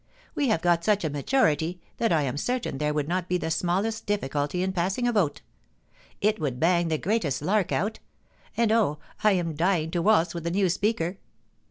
We have got such a majority that I am certain there would not be the smallest dilGculty in passing a vote It would bang the greatest lark out ; and oh, I am dying to waltz with the new Speaker.